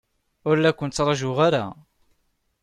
Ur la ken-ttṛajuɣ ara.